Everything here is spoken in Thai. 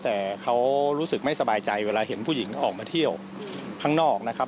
แต่เขารู้สึกไม่สบายใจเวลาเห็นผู้หญิงออกมาเที่ยวข้างนอกนะครับ